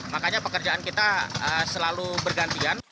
makanya pekerjaan kita selalu bergantian